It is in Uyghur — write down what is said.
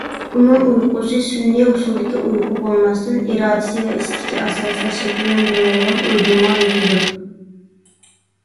ئۇنىڭ ئۇيقۇسى سۈنئىي ئۇسۇلدىكى ئۇيقۇ بولماستىن، ئىرادىسى ۋە ئىستىكى ئاساسىدا شەكىللەندۈرۈۋالغان ئويدۇرما ئۇيقىدۇر.